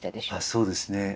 そうですね。